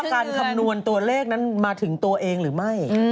คำนวณตัวเลขนั้นมาถึงตัวเองหรือไม่